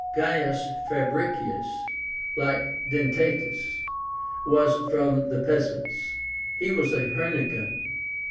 GAIUS FABRICIUS, like Dentátus, was from the peasants. He was a Hernican.